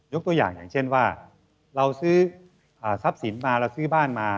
ตัวอย่างอย่างเช่นว่าเราซื้อทรัพย์สินมาเราซื้อบ้านมา